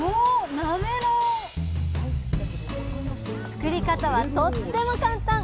作り方はとっても簡単！